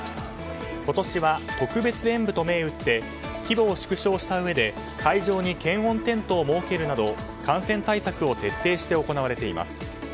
今年は特別演舞と銘打って規模を縮小したうえで会場に検温テントを設けるなど感染対策を徹底して行われています。